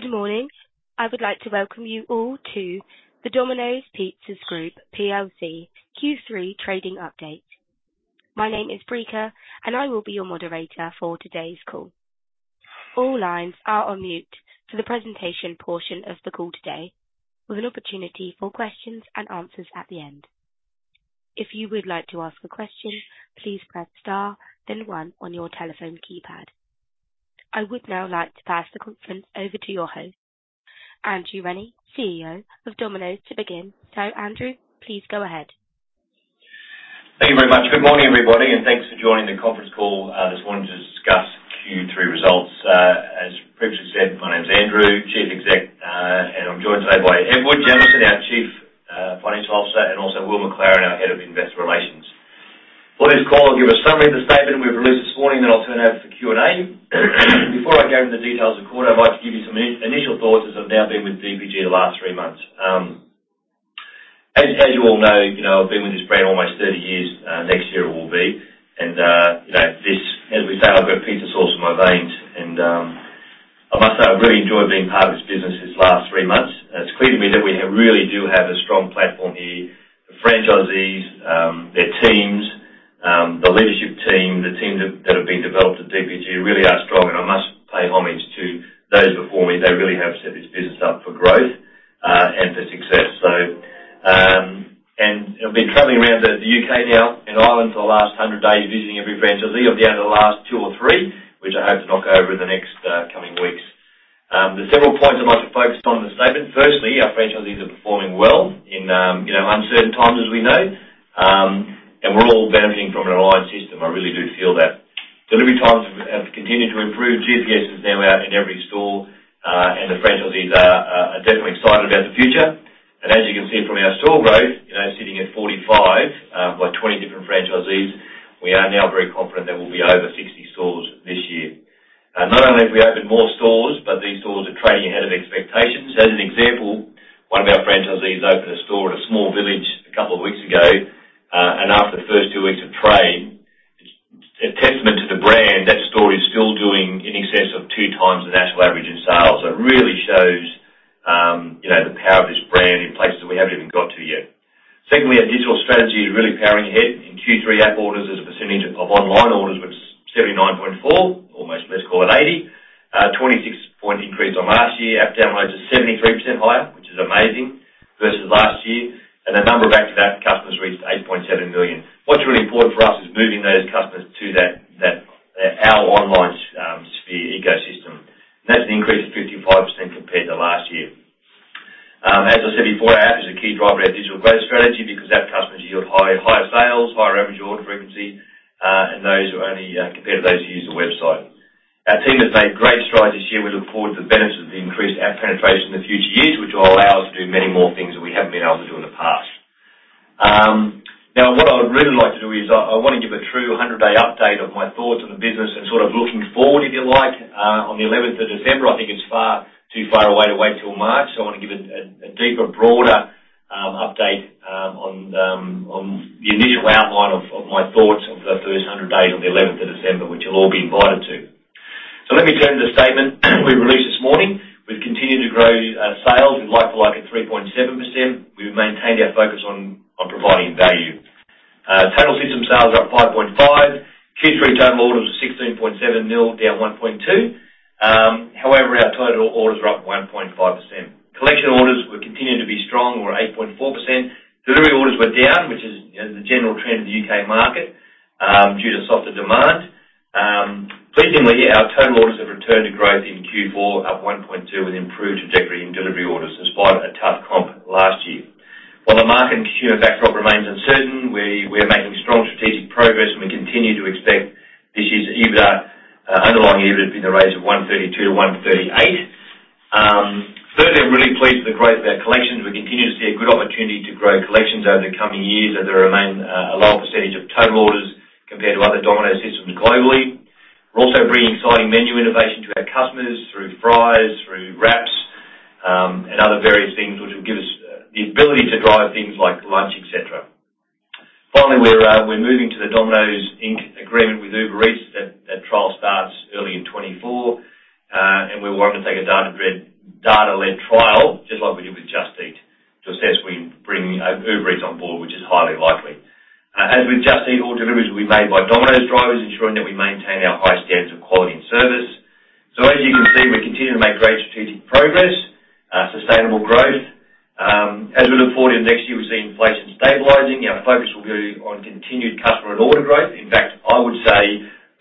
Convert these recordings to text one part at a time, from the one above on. Good morning. I would like to welcome you all to the Domino's Pizza Group plc Q3 trading update. My name is Brica, and I will be your moderator for today's call. All lines are on mute for the presentation portion of the call today, with an opportunity for questions and answers at the end. If you would like to ask a question, please press star then one on your telephone keypad. I would now like to pass the conference over to your host, Andrew Rennie, CEO of Domino's, to begin. Andrew, please go ahead. Thank you very much. Good morning, everybody, and thanks for joining the conference call this morning to discuss Q3 results. As previously said, my name is Andrew, Chief Executive, and I'm joined today by Edward Jamieson, our Chief Financial Officer, and also Will MacLaren, our Head of Investor Relations. For this call, I'll give a summary of the statement we've released this morning, then I'll turn over to Q&A. Before I go into the details of the call, I'd like to give you some initial thoughts, as I've now been with DPG the last three months. As you all know, you know, I've been with this brand almost 30 years, next year it will be. You know, this. As we say, "I've got pizza sauce in my veins." I must say I've really enjoyed being part of this business these last three months. It's clear to me that we have really do have a strong platform here. Franchisees, their teams, the leadership team, the teams that have been developed at DPG really are strong, and I must pay homage to those before me. They really have set this business up for growth and for success. I've been traveling around the U.K. now and Ireland for the last 100 days, visiting every franchisee. I've been down to the last two or three, which I hope to knock over in the next coming weeks. There are several points I'd like to focus on in the statement. Firstly, our franchisees are performing well in, you know, uncertain times, as we know, and we're all benefiting from an aligned system. I really do feel that. Delivery times have continued to improve. GPS is now out in every store, and the franchisees are definitely excited about the future. And as you can see from our store growth, you know, sitting at 45, by 20 different franchisees, we are now very confident there will be over 60 stores this year. Not only have we opened more stores, but these stores are trading ahead of expectations. As an example, one of our franchisees opened a store in a small village a couple of weeks ago, and after the first two weeks of trade, a testament to the brand, that store is still doing in excess of 2 times the national average in sales. So it really shows, you know, the power of this brand in places we haven't even got to yet. Secondly, our digital strategy is really powering ahead. In Q3, app orders as a percentage of online orders were 79.4, almost let's call it 80. 26-point increase on last year. App downloads are 73% higher, which is amazing, versus last year, and the number of active app customers reached 8.7 million. What's really Total system sales are up 5.5%. Q3 total orders were 16.7 million, down 1.2%. However, our total orders are up 1.5%. Collection orders were continuing to be strong. We're at 8.4%. Delivery orders were down, which is, you know, the general trend in the UK market due to softer demand. Pleasingly, our total orders have returned to growth in Q4, up 1.2, with improved trajectory in delivery orders, despite a tough comp last year. While the market and consumer backdrop remains uncertain, we're making strong strategic progress, and we continue to expect this year's EBITDA, underlying EBITDA to be in the range of 132-138. Thirdly, I'm really pleased with the growth of our collections. We continue to see a good opportunity to grow collections over the coming years, as they remain a low percentage of total orders compared to other Domino's systems globally. We're also bringing exciting menu innovation to our customers through fries, through wraps, and other various things, which will give us the ability to drive things like lunch, et cetera. Finally, we're moving to the Domino's Inc. agreement with Uber Eats. That trial starts early in 2024, and we want to take a data-led trial, just like we did with Just Eat, to assess if we can bring Uber Eats on board, which is highly likely. As with Just Eat, all deliveries will be made by Domino's drivers, ensuring that we maintain our high standards of quality and service. So as you can see, we're continuing to make great strategic progress, sustainable growth. As we look forward into next year, we're seeing inflation stabilizing. Our focus will be on continued customer and order growth. In fact, I would say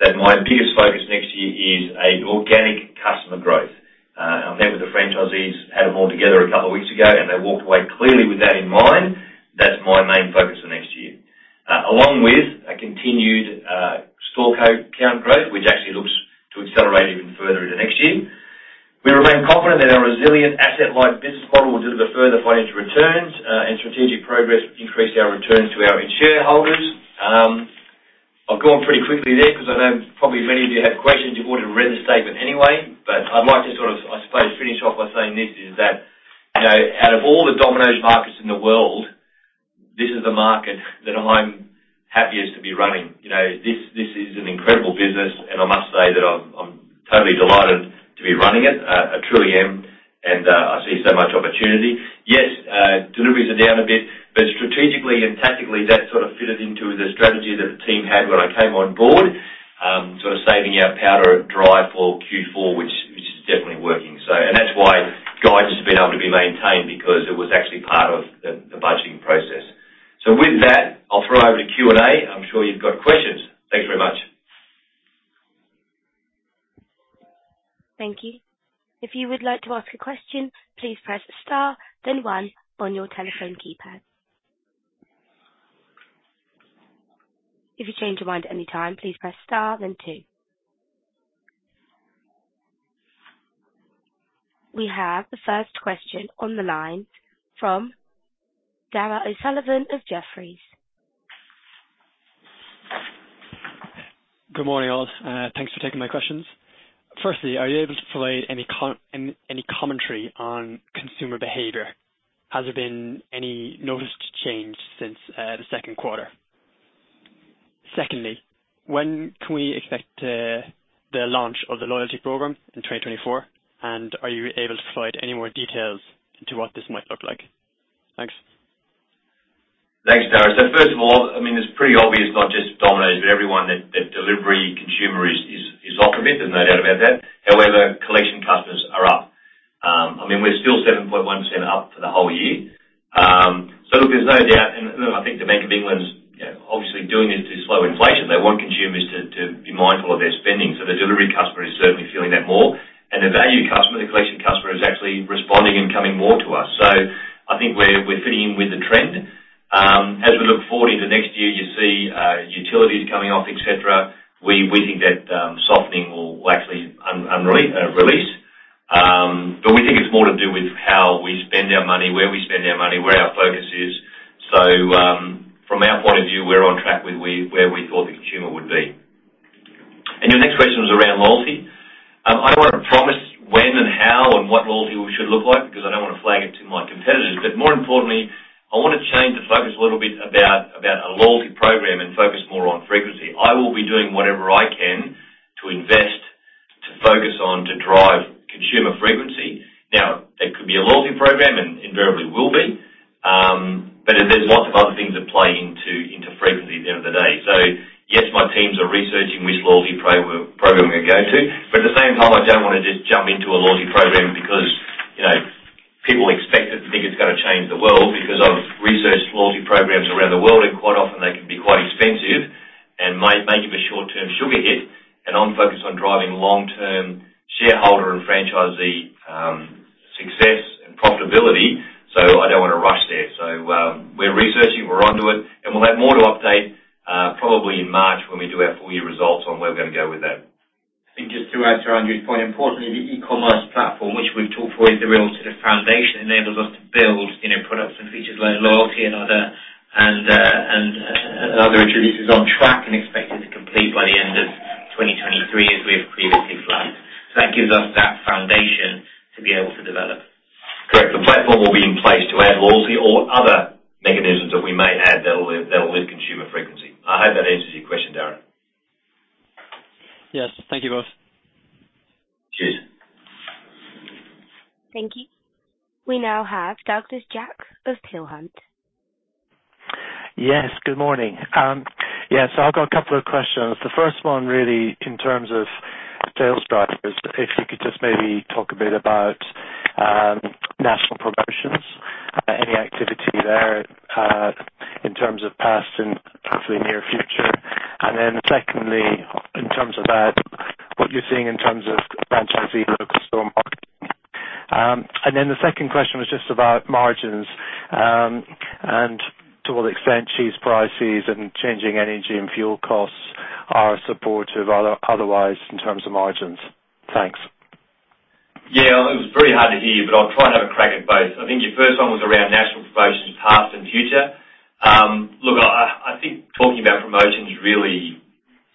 that my biggest focus next year is a organic customer growth. I met with the franchisees, had them all together a couple of weeks ago, and they walked away clearly with that in mind. That's my main focus for next year. Along with a continued store count growth, which actually looks to accelerate even further into next year. We remain confident that our resilient asset-light business model will deliver further financial returns, and strategic progress will increase our returns to our shareholders. I've gone pretty quickly there because I know probably many of you have questions. You've already read the statement anyway, but I'd like to sort of, I suppose, finish off by saying this is that, you know, out of all the Domino's markets in the world... This is the market that I'm happiest to be running. You know, this, this is an incredible business, and I must say that I'm, I'm totally delighted to be running it. I truly am, and I see so much opportunity. Yes, deliveries are down a bit, but strategically and tactically, that sort of fitted into the strategy that the team had when I came on board. So saving our powder dry for Q4, which is definitely working. So, and that's why guidance has been able to be maintained, because it was actually part of the budgeting process. So with that, I'll throw over to Q&A. I'm sure you've got questions. Thanks very much. Thank you. If you would like to ask a question, please press star, then one on your telephone keypad. If you change your mind at any time, please press star, then two. We have the first question on the line from Darren O'Sullivan of Jefferies. Good morning, all. Thanks for taking my questions. Firstly, are you able to provide any commentary on consumer behavior? Has there been any noticed change since the second quarter? Secondly, when can we expect the launch of the loyalty program in 2024? And are you able to provide any more details into what this might look like? Thanks. Thanks, Darren. So first of all, I mean, it's pretty obvious, not just Domino's, but everyone, that delivery consumer is off a bit, there's no doubt about that. However, collection customers are up. I mean, we're still 7.1% up for the whole year. So look, there's no doubt, and I think the Bank of England's, you know, obviously doing this to slow inflation. They want consumers to be mindful of their spending, so the delivery customer is certainly feeling that more. And the value customer, the collection customer, is actually responding and coming more to us. So I think we're fitting in with the trend. As we look forward into next year, you see, utilities coming off, et cetera. We think that softening will actually release. But we think it's more to do with how we spend our money, where we spend our money, where our focus is. So, from our point of view, we're on track with where we thought the consumer would be. And your next question was around loyalty. I don't want to promise when and how and what loyalty should look like because I don't want to flag it to my competitors. But more importantly, I want to change the focus a little bit about a loyalty program and focus more on frequency. I will be doing whatever I can to invest, to focus on, to drive consumer frequency. Now, it could be a loyalty program, and invariably will be, but there's lots of other things that play into frequency at the end of the day. So yes, my teams are researching which loyalty program we're going to go to, but at the same time, I don't want to just jump into a loyalty program because, you know, people expect it to think it's gonna change the world. Because I've researched loyalty programs around the world, and quite often they can be quite expensive and might make it a short-term sugar hit. And I'm focused on driving long-term shareholder and franchisee success and profitability, so I don't want to rush there. So, we're researching, we're onto it, and we'll have more to update probably in March when we do our full year results on where we're gonna go with that. I think just to add to Andrew's point, importantly, the e-commerce platform, which we've talked about, is the real sort of foundation, enables us to build, you know, products and features like loyalty and other initiatives is on track and expected to complete by the end of 2023, as we have previously flagged. So that gives us that foundation to be able to develop. Correct. The platform will be in place to add loyalty or other mechanisms that we may add that will lift consumer frequency. I hope that answers your question, Darren. Yes. Thank you, both. Cheers. Thank you. We now have Douglas Jack of Peel Hunt. Yes, good morning. Yes, so I've got a couple of questions. The first one, really, in terms of tail starters, if you could just maybe talk a bit about national promotions, any activity there, in terms of past and hopefully near future. And then secondly, in terms of that, what you're seeing in terms of franchisee local store marketing. And then the second question was just about margins, and to what extent cheese prices and changing energy and fuel costs are supportive otherwise in terms of margins. Thanks. Yeah. It was very hard to hear, but I'll try and have a crack at both. I think your first one was around national promotions, past and future. Look, I think talking about promotions really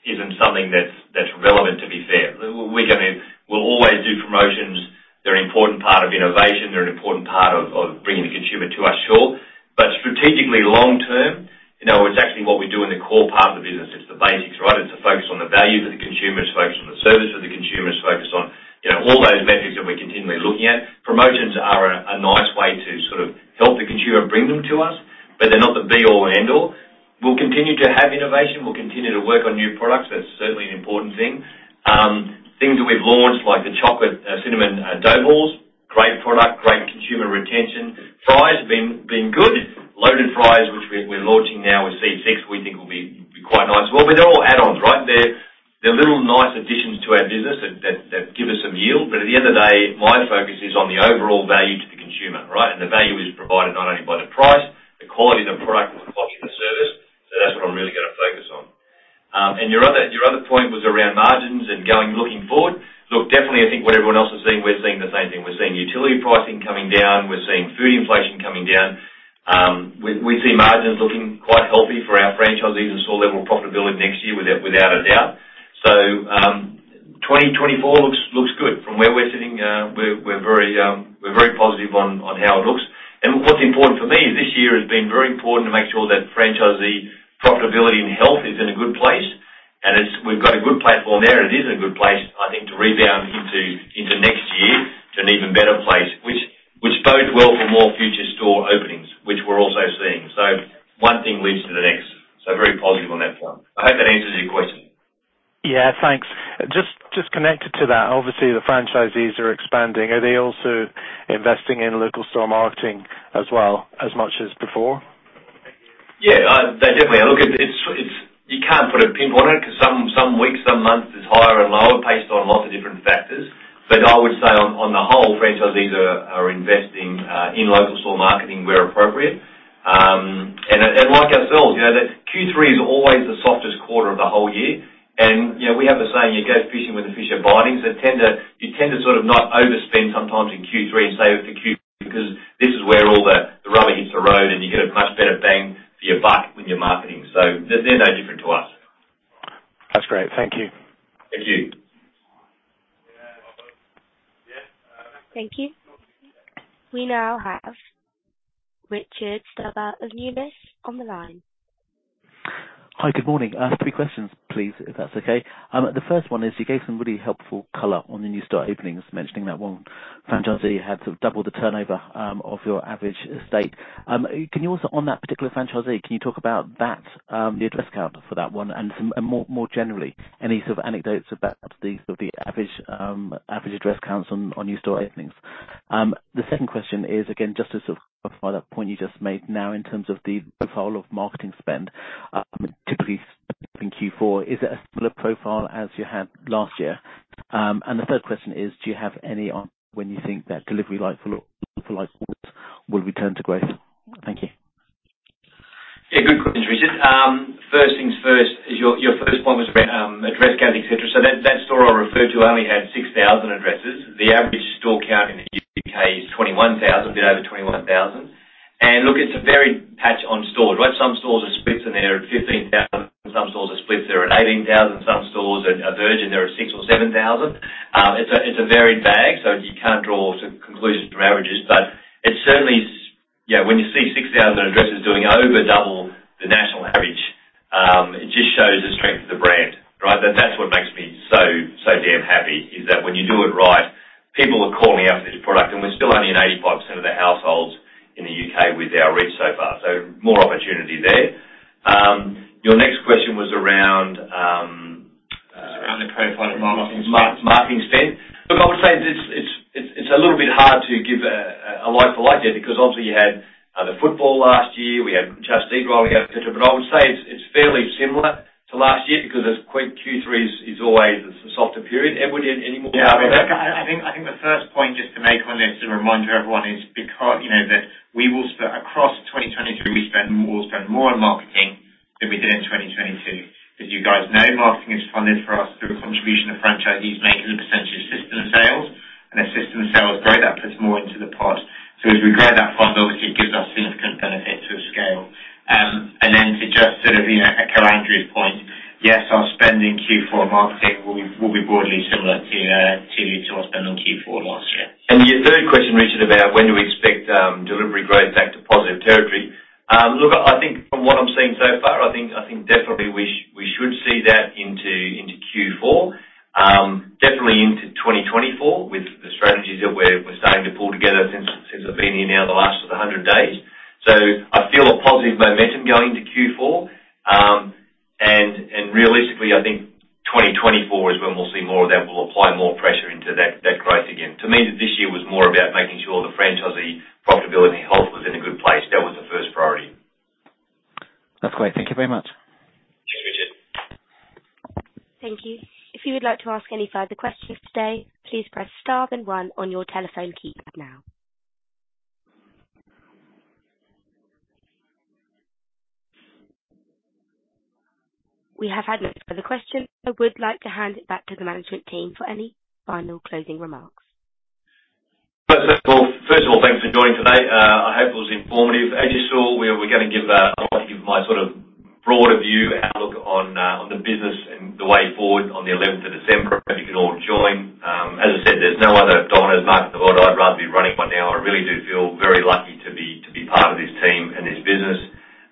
isn't something that's relevant to be fair. We're gonna. We'll always do promotions. They're an important part of innovation. They're an important part of bringing the consumer to us, sure. But strategically, long term, you know, it's actually what we do in the core part of the business. It's the basics, right? It's the focus on the value for the consumers, focus on the service for the consumers, focus on, you know, all those metrics that we're continually looking at. Promotions are a nice way to sort of help the consumer bring them to us, but they're not the be all and end all. We'll continue to have innovation. We'll continue to work on new products. That's certainly an important thing. Things that we've launched, like the chocolate cinnamon doughballs, great product, great consumer retention. Fries have been good. Loaded Fries, which we're launching now with CX, we think will be quite nice. Well, they're all add-ons, right? They're little nice additions to our business that give us some yield. But at the end of the day, my focus is on the overall value to the consumer, right? And the value is provided not only by the price, the quality of the product, and the quality of the service. So that's what I'm really gonna focus on. And your other point was around margins and going looking forward. Look, definitely I think what everyone else is seeing, we're seeing the same thing. We're seeing utility pricing coming down. We're seeing food inflation coming down. We see margins looking quite healthy for our franchisees and store-level profitability next year, without a doubt... 2024 looks good from where we're sitting. We're very positive on how it looks. And what's important for me is this year has been very important to make sure that franchisee profitability and health is in a good place, and we've got a good platform there, and it is in a good place, I think, to rebound into next year, to an even better place, which bodes well for more future store openings, which we're also seeing. So one thing leads to the next. So very positive on that front. I hope that answers your question. Yeah, thanks. Just, just connected to that, obviously, the franchisees are expanding. Are they also investing in local store marketing as well, as much as before? Yeah, they definitely are. Look, it's. You can't put a pin on it, 'cause some weeks, some months is higher and lower based on lots of different factors. But I would say on the whole, franchisees are investing in local store marketing where appropriate. And like ourselves, you know that Q3 is always the softest quarter of the whole year, and, you know, we have the saying, "You go fishing when the fish are biting." So you tend to sort of not overspend sometimes in Q3 and save it for Q4, because this is where all the rubber hits the road, and you get a much better bang for your buck with your marketing. So they're no different to us. That's great. Thank you. Thank you. Thank you. We now have Richard Stuber of Numis on the line. Hi, good morning. Three questions, please, if that's okay. The first one is, you gave some really helpful color on the new store openings, mentioning that one franchisee had sort of doubled the turnover of your average estate. Can you also, on that particular franchisee, talk about the address count for that one, and more generally, any sort of anecdotes about the average address counts on new store openings? The second question is, again, just to sort of clarify that point you just made now in terms of the profile of marketing spend, typically in Q4, is it as full a profile as you had last year? And the third question is, do you have any on when you think that delivery like-for-like will return to growth? Thank you. Yeah, good questions, Richard. First things first, your first point was around address count, et cetera. So that store I referred to only had 6,000 addresses. The average store count in the UK is 21,000, a bit over 21,000. And look, it's a varied patch on stores, right? Some stores are splits, and they're at 15,000. Some stores are splits, they're at 18,000. Some stores are virgin, they're at 6,000 or 7,000. It's a varied bag, so you can't draw conclusions from averages. But it certainly is... You know, when you see 6,000 addresses doing over double the national average, it just shows the strength of the brand, right? That, that's what makes me so, so damn happy, is that when you do it right, people are calling out for this product, and we're still only in 85% of the households in the UK with our reach so far. So more opportunity there. Your next question was around- Around the profile of marketing spend. Marketing spend. Look, I would say it's a little bit hard to give a like-for-like there, because obviously you had the football last year, we had Just Eat while we had, et cetera. But I would say it's fairly similar to last year, because as Q3 is always a softer period anyway, anymore. Yeah. I think the first point just to make on this, to remind everyone, is because. You know, that we spent across 2023, we spent more on marketing than we did in 2022. As you guys know, marketing is funded for us through a contribution of franchisees making a percentage of system sales, and as system sales grow, that puts more into the pot. So as we grow that fund, obviously it gives us significant benefit to scale. And then to just sort of, you know, echo Andrew's point, yes, our spend in Q4 marketing will be broadly similar to our spend in Q4 last year. Your third question, Richard, about when do we expect delivery growth back to positive territory? Look, I think from what I'm seeing so far, I think definitely we should see that into Q4. Definitely into 2024, with the strategies that we're starting to pull together since I've been here now the last 100 days. So I feel a positive momentum going to Q4. And realistically, I think 2024 is when we'll see more of that. We'll apply more pressure into that growth again. To me, this year was more about making sure the franchisee profitability health was in a good place. That was the first priority. That's great. Thank you very much. Thanks, Richard. Thank you. If you would like to ask any further questions today, please press Star and One on your telephone keypad now. We have had no further questions. I would like to hand it back to the management team for any final closing remarks. Well, first of all, thanks for joining today. I hope it was informative. As you saw, we're gonna give. I want to give my sort of broader view outlook on the business and the way forward on the eleventh of December. I hope you can all join. As I said, there's no other Domino's market in the world I'd rather be running by now. I really do feel very lucky to be, to be part of this team and this business.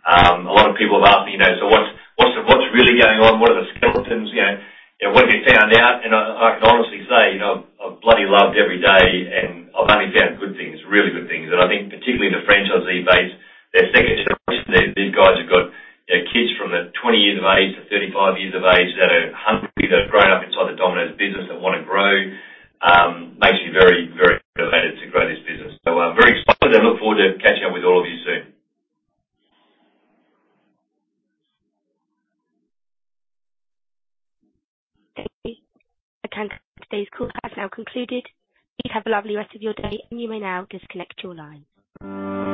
A lot of people have asked me, you know, "So what's, what's, what's really going on? What are the skeletons?" You know, and when they found out, and I, I can honestly say, you know, I've bloody loved every day, and I've only found good things, really good things. I think particularly the franchisee base, their second generation, these guys have got their kids from 20 years of age to 35 years of age, that are hungry, that have grown up inside the Domino's business and want to grow. Makes me very, very motivated to grow this business. So I'm very excited and look forward to catching up with all of you soon. Thank you. Again, today's call has now concluded. Please have a lovely rest of your day, and you may now disconnect your line.